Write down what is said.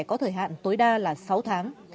có thời hạn tối đa là sáu tháng